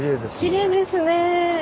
きれいですね。